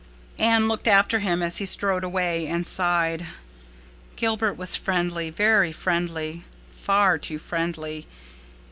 Anne looked after him as he strode away, and sighed. Gilbert was friendly—very friendly—far too friendly.